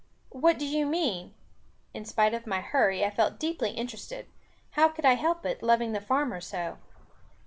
"What do you mean?" In spite of my hurry, I felt deeply interested. How could I help it, loving the farmer so?